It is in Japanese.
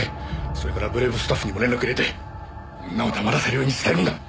それからブレイブスタッフにも連絡入れて女を黙らせるように伝えるんだ。